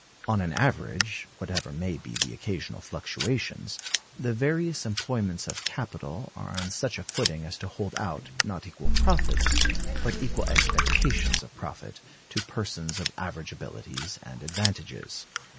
On an average (whatever may be the occasional fluctuations) the various employments of capital are on such a footing as to hold out, not equal profits, but equal expectations of profit, to persons of average abilities and advantages.